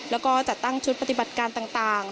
แล้วก็จัดตั้งชุดปฏิบัติการต่าง